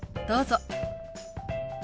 どうぞ。